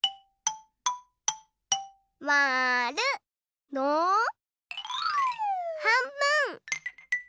まる！のはんぶん！